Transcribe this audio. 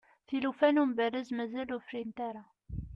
tilufa n umberrez mazal ur frint ara